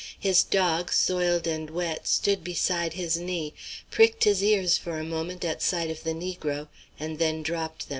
His dog, soiled and wet, stood beside his knee, pricked his ears for a moment at sight of the negro, and then dropped them.